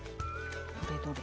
どれどれ。